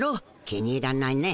気に入らないね。